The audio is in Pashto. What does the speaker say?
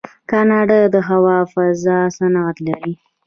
کاناډا د هوا فضا صنعت لري.